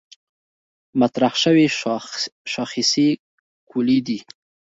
مطرح شوې شاخصې کُلي دي.